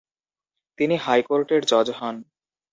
তিনি হাইকোর্টের জজ হন।